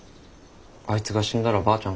あいつが死んだらばあちゃん